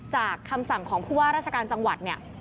คำสั่งของผู้ว่าราชการจังหวัดเนี่ย